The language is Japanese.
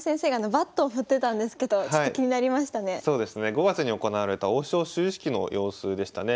５月に行われた王将就位式の様子でしたね。